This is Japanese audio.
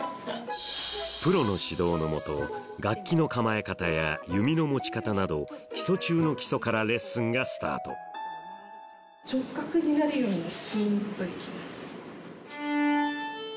プロの指導の下楽器の構え方や弓の持ち方など基礎中の基礎からレッスンがスタート直角になるようにスンっといきます。